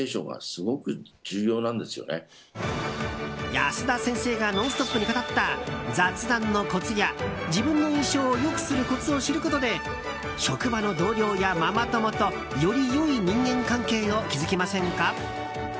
安田先生が「ノンストップ！」に語った雑談のコツや、自分の印象を良くするコツを知ることで職場の同僚やママ友とより良い人間関係を築きませんか？